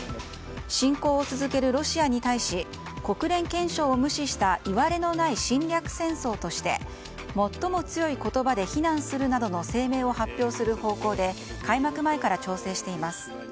侵攻を続けるロシアに対し国連憲章を無視したいわれのない侵略戦争として最も強い言葉で非難するなどの声明を発表する方向で開幕前から調整しています。